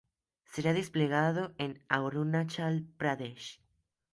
Será desplegado en Arunachal Pradesh.